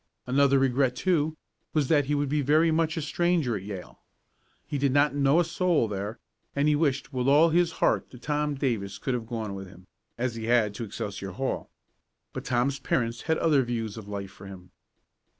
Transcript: Another regret, too, was that he would be very much of a stranger at Yale. He did not know a soul there, and he wished with all his heart that Tom Davis could have gone with him, as he had to Excelsior Hall. But Tom's parents had other views of life for him.